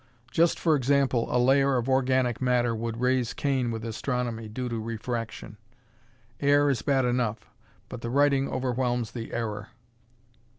Just for example, a layer of organic matter would raise Cain with astronomy, due to refraction. Air is bad enough. But the writing overwhelms the error.